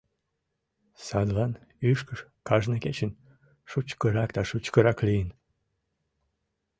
Садлан ӱшкыж кажне кечын шучкырак да шучкырак лийын.